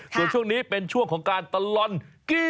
ส่วนช่วงนี้เป็นช่วงของการตลอดกิน